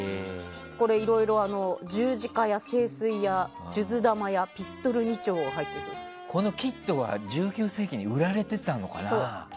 これいろいろ十字架や聖水や数珠玉やピストル２丁がこのキットが１９世紀に売られていたのかな？